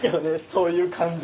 そういう感情。